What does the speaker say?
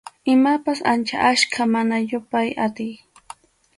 Imapas ancha achka, mana yupay atiy.